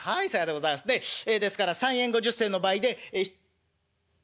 ですから３円５０銭の倍で」。